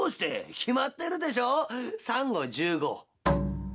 「決まってるでしょうサンゴ１５」。